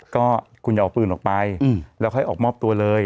ก็คุณอย่าเอาปืนออกไปแล้วค่อยออกมอบตัวเลย